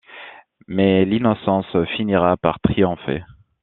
Mais l’innocence finira par triompher.